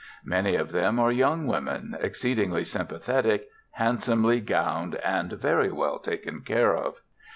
Many of them are young women, exceedingly sympathetic, handsomely gowned, and very well taken care of.